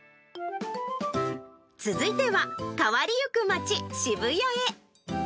続いては、変わりゆく街、渋谷へ。